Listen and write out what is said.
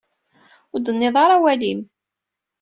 Ur d-tenniḍ ara awal-im.